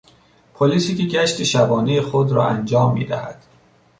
پلیسی که گشت شبانهی خود را انجام میدهد